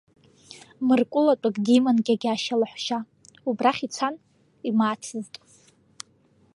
Мыр-кәылатәык диман Гьегьашьа лаҳәшьа, убрахь ицан, имаацызт.